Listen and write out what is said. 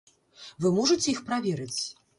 Вы можаце іх праверыць?